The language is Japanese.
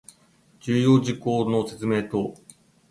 重要事項の説明等